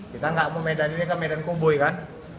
kita nggak mau medan ini ke medan koboi kan